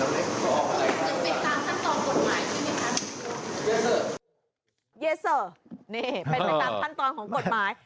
นี่เป็นตามขั้นตอนของกฎหมาย